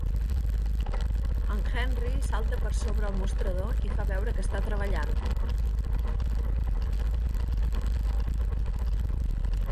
En Henry salta per sobre el mostrador i fa veure que està treballant.